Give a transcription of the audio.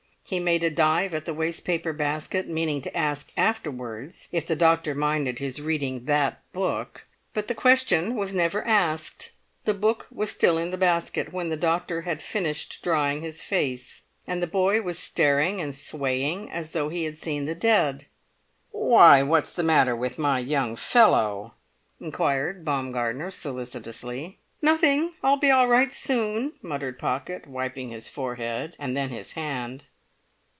He made a dive at the waste paper basket, meaning to ask afterwards if the doctor minded his reading that book. But the question never was asked; the book was still in the basket when the doctor had finished drying his face; and the boy was staring and swaying as though he had seen the dead. "Why, what's the matter with my young fellow?" inquired Baumgartner, solicitously. "Nothing! I'll be all right soon," muttered Pocket, wiping his forehead and then his hand.